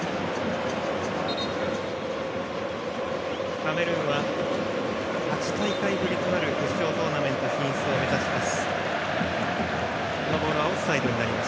カメルーンは８大会ぶりとなる決勝トーナメント進出を目指します。